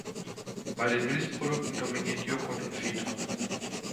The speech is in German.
Bei den Milchprodukten dominieren Joghurt und Feta.